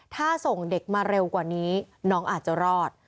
ถ้าส่งเด็กมาเร็วกว่านี้น้องอาจจะรอด